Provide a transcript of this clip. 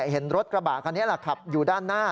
เห็นรถกระบะคันนี้แหละขับอยู่ด้านหน้า